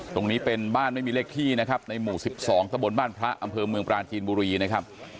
ตรงนี้เป็นบ้านไม่มีเลขที่นะครับในหมู่๑๒ตะบนบ้านพระอำเภอเมืองปราจีนบุรีนะครับ